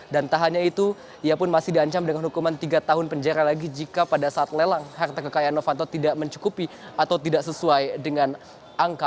dan tak hanya itu ia pun masih diancam dengan hukuman tiga tahun penjara lagi jika pada saat lelang harta kekayaan novanto tidak mencukupi atau tidak sesuai dengan angka